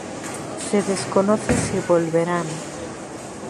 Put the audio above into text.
Se desconoce si volverán.